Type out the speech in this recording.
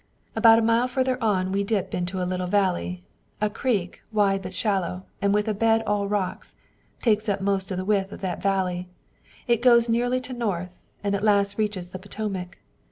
"About a mile further on we dip into a little valley. A creek, wide but shallow and with a bed all rocks, takes up most of the width of that valley. It goes nearly to the north, and at last reaches the Potomac.